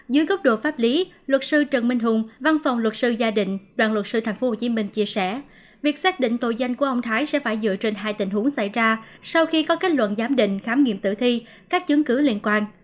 dưới góc độ pháp lý luật sư trần minh hùng văn phòng luật sư gia định đoàn luật sư tp hcm chia sẻ việc xác định tội danh của ông thái sẽ phải dựa trên hai tình huống xảy ra sau khi có kết luận giám định khám nghiệm tử thi các chứng cứ liên quan